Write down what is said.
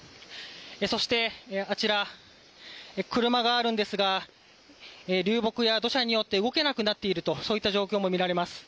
そしてあちら車があるんですが流木や土砂によって動けなくなっているとそういった状況も見られます。